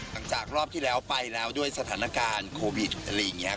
จากรอบที่แล้วไปแล้วด้วยสถานการณ์โควิดอะไรอย่างนี้